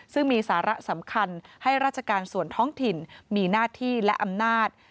ซึ่งมีสาระสำคัญให้ราชการส่วนท้องถิ่นมีหน้าที่และอำนาจ